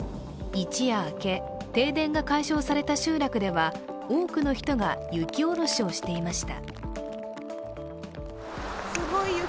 一夜明け、停電が解消された集落では多くの人が雪下ろしをしていました。